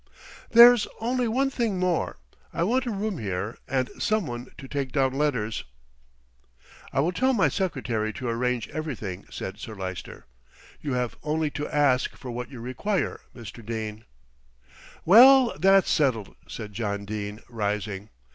"There's only one thing more; I want a room here and someone to take down letters." "I will tell my secretary to arrange everything," said Sir Lyster. "You have only to ask for what you require, Mr. Dene." "Well, that's settled," said John Dene, rising.